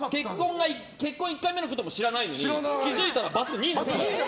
結婚１回目のことも知らないのに気づいたらバツ２になってました。